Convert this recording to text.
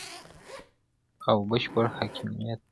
او بشپړ حاكميت دى،